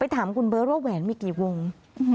ถามคุณเบิร์ตว่าแหวนมีกี่วง